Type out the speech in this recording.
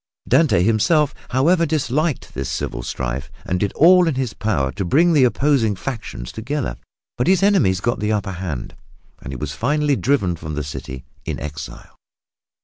Dante himself, however, disliked this civil strife and did all in his power to bring the opposing factions together. But his enemies got the upper hand, and he was finally driven from the city in exile.